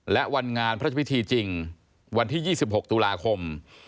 และวันงานพระพิธีจริงวันที่๒๖ตุลาคม